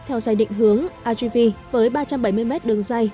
theo dây định hướng lgv với ba trăm bảy mươi m đường dây